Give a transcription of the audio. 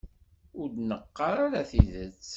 Ur d-neqqar ara tidet.